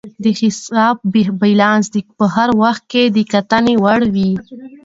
د حساب بیلانس په هر وخت کې د کتنې وړ وي.